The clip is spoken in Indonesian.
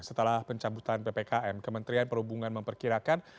setelah pencabutan ppkm kementerian perhubungan memperkirakan